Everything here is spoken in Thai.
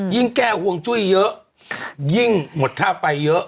แก้ห่วงจุ้ยเยอะยิ่งหมดค่าไฟเยอะ